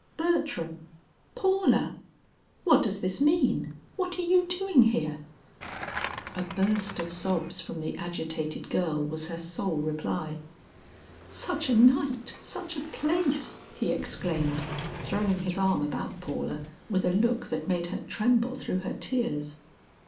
"Bertram! Paula! What does this mean? What are you doing here?" A burst of sobs from the agitated girl was her sole reply. "Such a night! such a place!" he exclaimed, throwing his arm about Paula with a look that made her tremble through her tears.